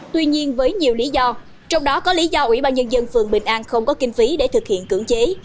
tuy nhiên với nhiều lý do trong đó có lý do ủy ban nhân dân phường bình an không có kinh phí để thực hiện cưỡng chế